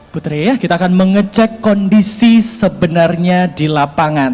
putri ya kita akan mengecek kondisi sebenarnya di lapangan